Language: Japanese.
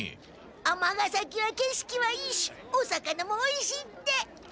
尼崎はけしきはいいしお魚もおいしいって。